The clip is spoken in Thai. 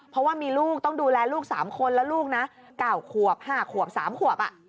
เพราะว่ามีลูกต้องดูแลลูก๓คนแล้วลูกนะ๙ขวบ๕ขวบ๓ขวบ